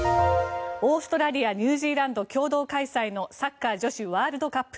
オーストラリアニュージーランド共同開催のサッカー女子ワールドカップ。